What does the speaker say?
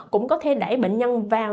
cũng có thể đẩy bệnh nhân vào